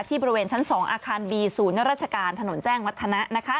บริเวณชั้น๒อาคารบีศูนย์ราชการถนนแจ้งวัฒนะ